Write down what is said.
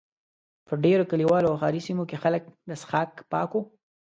په ډېرو کلیوالو او ښاري سیمو کې خلک د څښاک پاکو.